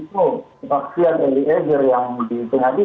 itu kemaksian elie eger yang diperhatikan